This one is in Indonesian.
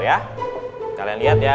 ya kalian lihat ya